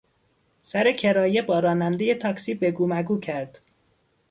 سر کرایه با رانندهی تاکسی بگومگو کرد.